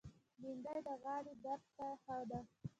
بېنډۍ د غاړې درد ته ښه ده